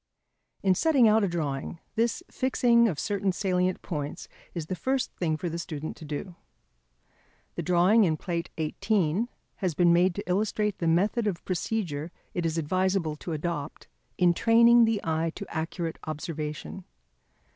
In setting out a drawing, this fixing of certain salient points is the first thing for the student to do. The drawing reproduced on page 90 [Transcribers Note: Plate XVIII] has been made to illustrate the method of procedure it is advisable to adopt in training the eye to accurate observation.